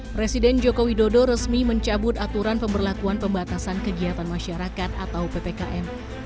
presiden joko widodo resmi mencabut aturan pemberlakuan pembatasan kegiatan masyarakat atau ppkm